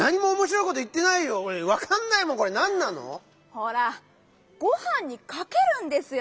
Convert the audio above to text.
ほらごはんにかけるんですよ！